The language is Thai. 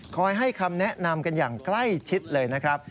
ให้คำแนะนำกันอย่างใกล้ชิดเลยนะครับ